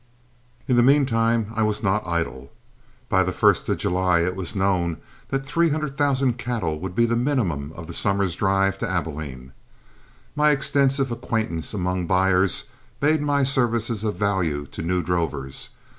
In the mean time I was not idle. By the first of July it was known that three hundred thousand cattle would be the minimum of the summer's drive to Abilene. My extensive acquaintance among buyers made my services of value to new drovers.